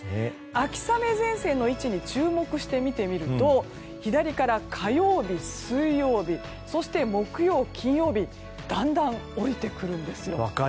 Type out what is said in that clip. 秋雨前線の位置に注目して見てみると左から火曜日、水曜日そして木曜日、金曜日だんだん下りてくるんですよ。